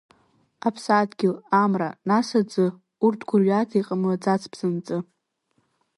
Аԥсадгьыл, Амра, нас Аӡы, урҭ гәырҩада иҟамлаӡац бзанҵы!